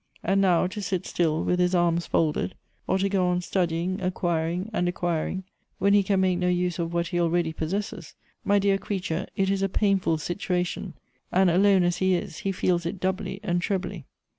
And now, to sit still, with his arms folded ; or to go on studying, acquiring, and acquir ing, when he can make no use of what he already pos sesses; — my dear creature, it is a painful situation; and alone as he is, he feels it doubly and trebly."